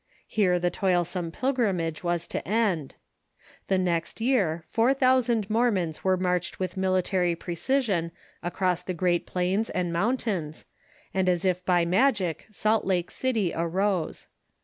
Here the toilsome pilgrimage was to end. The next year four thousand Mormons were marched with military precision across the great plains and mountains, and as if by magic Salt Lake City arose.